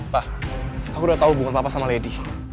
pak aku udah tahu hubungan papa sama lady